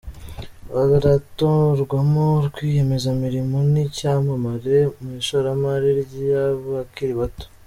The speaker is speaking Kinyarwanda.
Baratorwamo Rwiyemezamirimo w’icyamamare mu ishoramari ry’abakiri bato